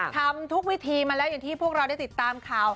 ทำทุกวิธีมาแล้วอย่างที่พวกเราได้ติดตามข่าว